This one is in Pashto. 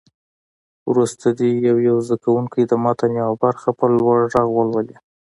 وروسته دې یو یو زده کوونکی د متن یوه برخه په لوړ غږ ولولي.